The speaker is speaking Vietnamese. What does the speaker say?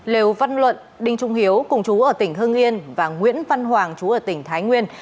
lều văn luận đinh trung hiếu cùng chú ở tỉnh hưng yên và nguyễn văn hoàng chú ở tỉnh thái nguyên